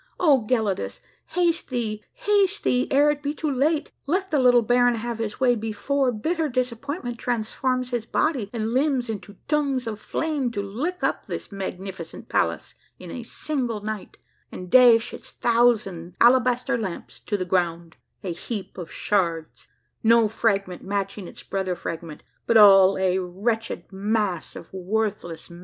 O Gelidus, haste thee, haste thee, ere it l)e too late, let the little baron have his way before bitter disap pointment transforms his body and limbs into tongues of flame to lick up this magnificent palace in a single night, and dash its thousand alabaster lamps to the ground, a heap of sheards, no fragment matching its brother fragment, but all a wretched mass of worthless matter